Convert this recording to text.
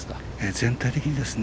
全体的にですね。